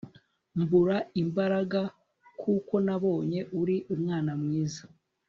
mbura imbaraga kuko nabonye uri umwana mwiza